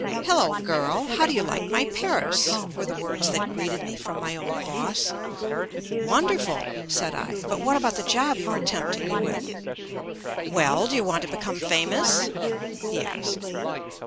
"Hello, girl, how do you like my Paris?" were the words that greeted me from JUST ME my old boss. "Wonderful/' said I. "But what about the job you are tempting me with?" "Well, do you want to become famous?" he asked.